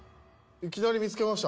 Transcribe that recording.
いきなり見付けました。